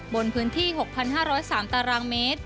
บนพื้นที่๖๕๐๓ตารางเมตร